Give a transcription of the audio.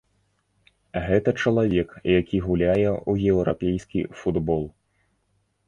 Гэта чалавек, які гуляе ў еўрапейскі футбол.